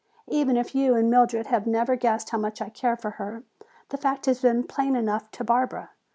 Even if you and Mildred have never guessed how much I care for her, the fact has been plain enough to Barbara.